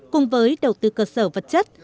cùng với đầu tư cơ sở vật chất